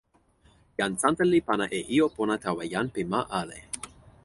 jan Santa li pana e ijo pona tawa jan pi ma ale.